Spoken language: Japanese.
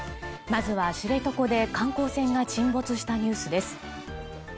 まずは知床で観光船が沈没したニュースです。